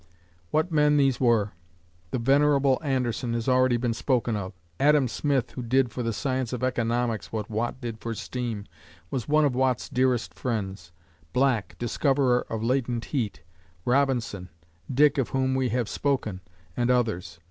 What men these were! The venerable Anderson has already been spoken of; Adam Smith, who did for the science of economics what Watt did for steam, was one of Watt's dearest friends; Black, discoverer of latent heat; Robinson, Dick of whom we have spoken, and others.